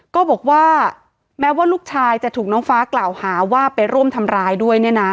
ก็บอกว่าแม้ว่าลูกชายจะถูกน้องฟ้ากล่าวหาว่าไปร่วมทำร้ายด้วยเนี่ยนะ